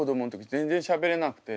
全然しゃべれなくて。